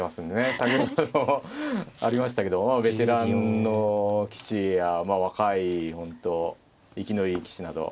先ほどもありましたけどもうベテランの棋士や若い本当生きのいい棋士など。